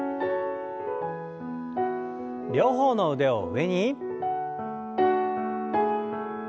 両方の腕を上に。